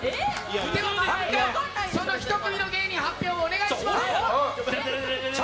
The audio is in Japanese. その１組の芸人発表をお願いします！